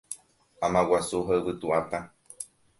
Amaguasu ha yvytu'atã.